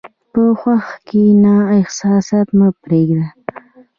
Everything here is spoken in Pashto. په هوښ کښېنه، احساسات مه پرېږده.